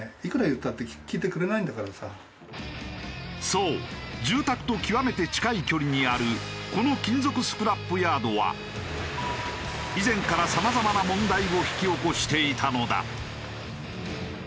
そう住宅と極めて近い距離にあるこの金属スクラップヤードは以前からさまざまな問題を引き起こしていたのだ。